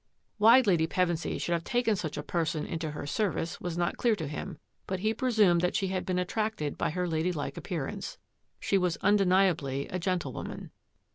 Why Lady Pevensy should have taken such a person into her service was not clear to him, but he presumed that she had been attracted by her ladylike ap pearance. She was undeniably a gentlewoman.